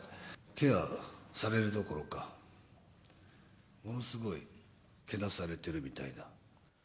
ケアされるどころか、ものすごいけなされてるみたいな。